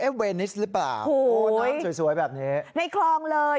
เอ๊ะเลนิสหรือเปล่าน้ำสวยแบบนี้ในครองเลย